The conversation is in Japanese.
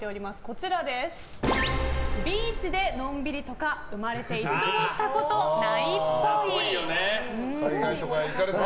ビーチでのんびりとか生まれて一度もしたことないっぽい。